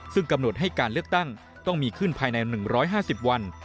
ซึ่งกำหนดให้การเลือกตั้งต้องมีขึ้นภายใน๑๕๐วัน